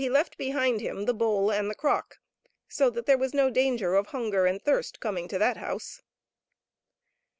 left behind him the bowl and the crock, so that there was no danger ol hunger and thirst coming to that house.